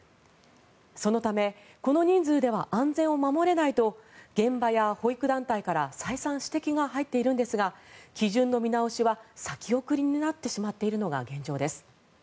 そのためこの人数では安全を守れないと現場や保育団体から再三指摘が入っているんですが基準の見直しは先送りになってしまっているのが現状です。